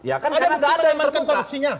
ada bukti mengembangkan korupsinya